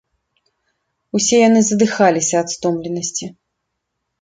Усе яны задыхаліся ад стомленасці.